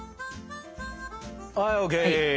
はいＯＫ。